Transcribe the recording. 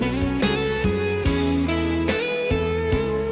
ดินักเนิ่งทำสำเร็จเลยสิคิก